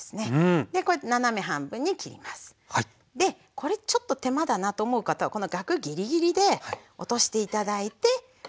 これちょっと手間だなと思う方はこのガクギリギリで落として頂いてＯＫです。